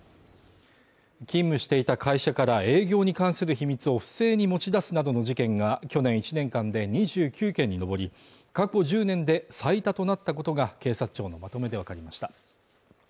勤務していた会社から営業に関する秘密を不正に持ち出すなどの事件が去年１年間で２９件に上り、過去１０年で最多となったことが警察庁のまとめでわかりました。